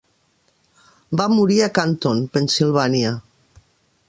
Va morir a Canton (Pennsilvània).